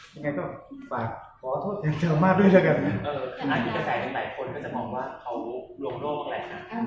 จำไตได้เฉยแต่คนสามารถรู้ลวงโลกอะไร